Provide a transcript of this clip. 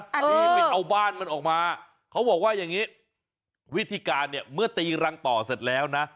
ที่ไปเอาบ้านมันออกมาเขาบอกว่าอย่างนี้วิธีการเนี่ยเมื่อตีรังต่อเสร็จแล้วนะ